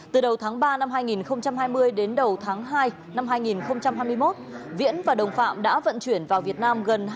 từ đầu tháng ba năm hai nghìn hai mươi đến đầu tháng hai năm hai nghìn hai mươi một viễn và đồng phạm đã vận chuyển vào việt nam